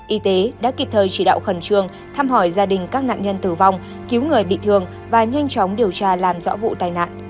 y tế đã kịp thời chỉ đạo khẩn trương thăm hỏi gia đình các nạn nhân tử vong cứu người bị thương và nhanh chóng điều tra làm rõ vụ tai nạn